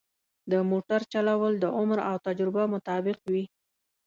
د موټر چلول د عمر او تجربه مطابق وي.